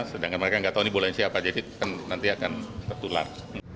sedangkan mereka gak tahu ini bola yang siapa jadi nanti akan tertular